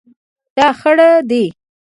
دا خړ دی